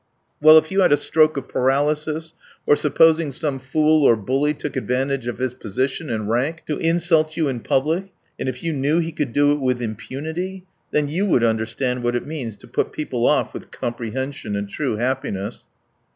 Well, if you had a stroke of paralysis, or supposing some fool or bully took advantage of his position and rank to insult you in public, and if you knew he could do it with impunity, then you would understand what it means to put people off with comprehension and true happiness."